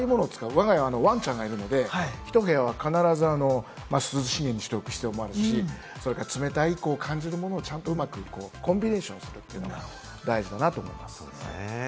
わが家はワンちゃんがいるので、ひと部屋必ず涼しい部屋にしておく必要があるし、冷たいと感じるものをコンビネーションすることが大事だと思います。